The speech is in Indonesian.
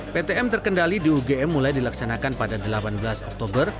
ptm terkendali di ugm mulai dilaksanakan pada delapan belas oktober